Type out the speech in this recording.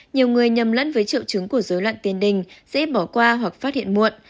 nhiều người nhầm lẫn với triệu chứng của dối loạn tiền đình dễ bỏ qua hoặc phát hiện muộn